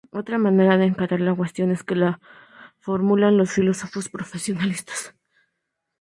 Otra manera de encarar la cuestión es la que formulan los filósofos personalistas.